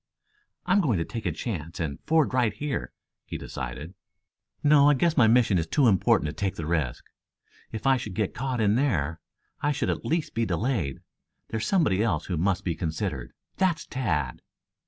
"I'm going to take a chance and ford right here," he decided. "No, I guess my mission is too important to take the risk. If I should get caught in there I should at least be delayed. There's somebody else who must be considered. That's Tad."